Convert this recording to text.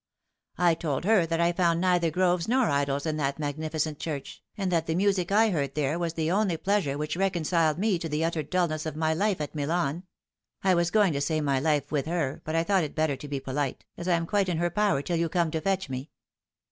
I told her that I had found neither groves nor idols in that magnificent church, and that the music I heard there was the only pleasure which reconciled me to the utter dulness of my life at Milan I was going to say my life with her, but thought it better to be polite, as I am quite in her power till you come to fetch me.